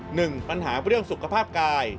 หนึ่งปัญหาเรื่องสุขภาพกาย